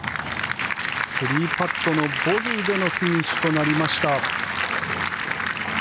３パットのボギーでのフィニッシュとなりました。